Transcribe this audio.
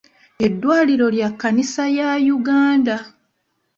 Eddwaliro lya kkanisa ya Uganda.